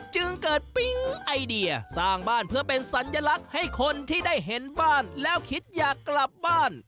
จึงเกิดปิ๊งไอเดียสร้างบ้านเพื่อเป็นสัญลักษณ์ให้คนที่ได้เห็นบ้านแล้วคิดอยากกลับบ้าน